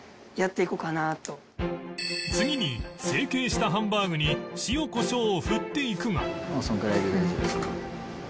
次に成形したハンバーグに塩コショウを振っていくが